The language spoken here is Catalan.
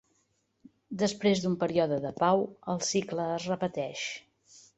Després d'un període de pau, el cicle es repeteix.